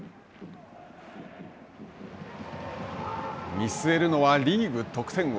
見据えるのはリーグ得点王。